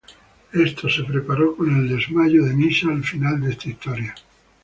Esto se preparó con el desmayo de Nyssa al final de esta historia.